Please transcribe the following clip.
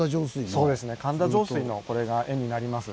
そうですね神田上水の絵になります。